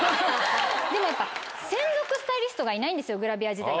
専属スタイリストがいないんですよグラビア時代。